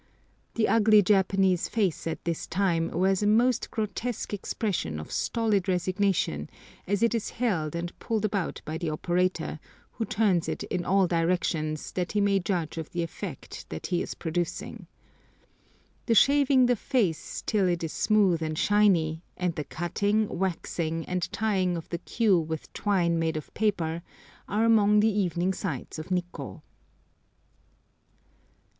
The ugly Japanese face at this time wears a most grotesque expression of stolid resignation as it is held and pulled about by the operator, who turns it in all directions, that he may judge of the effect that he is producing. The shaving the face till it is smooth and shiny, and the cutting, waxing, and tying of the queue with twine made of paper, are among the evening sights of Nikkô.